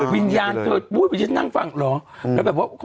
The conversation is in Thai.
วิญญาณเจ็บมืชันั่งฟังเหรอ